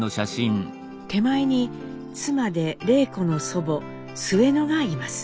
手前に妻で礼子の祖母すゑのがいます。